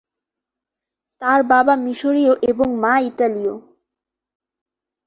তার বাবা মিশরীয় এবং মা ইতালীয়।